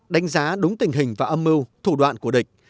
đánh giá đúng tình hình và âm mưu thủ đoạn của địch